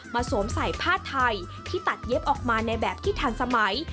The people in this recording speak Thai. สวมใส่ผ้าไทยที่ตัดเย็บออกมาในแบบที่ทันสมัย